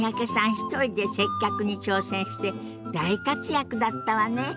一人で接客に挑戦して大活躍だったわね。